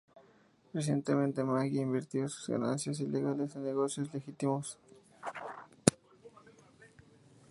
Recientemente, Maggia invirtió sus ganancias ilegales en negocios legítimos.